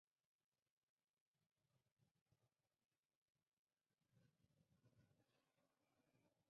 Por ello se incluyen en el grupo I de la clasificación de Baltimore.